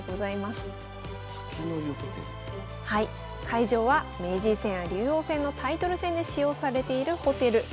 会場は名人戦や竜王戦のタイトル戦で使用されているホテル。